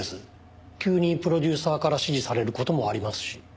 急にプロデューサーから指示される事もありますし。